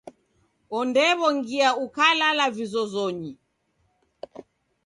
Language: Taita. Odewongia ukalala vizozonyi